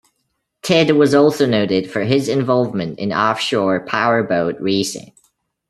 Ted was also noted for his involvement in off-shore powerboat racing.